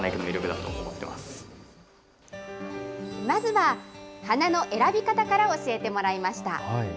まずは花の選び方から教えてもらいました。